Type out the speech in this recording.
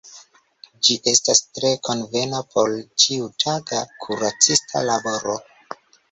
Ĝi estas tre konvena por ĉiutaga kuracista laboro.